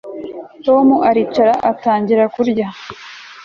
Tom aricara atangira kurya